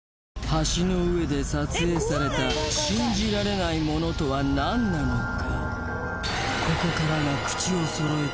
橋の上で撮影された信じられないものとは何なのか？